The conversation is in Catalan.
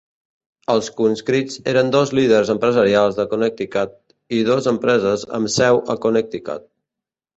Els conscrits eren dos líders empresarials de Connecticut i dos empreses amb seu a Connecticut.